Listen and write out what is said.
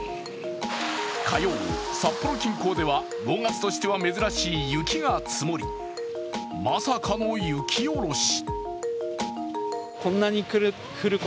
火曜、札幌近郊では５月では珍しい雪が積もり、まさかの雪下ろし。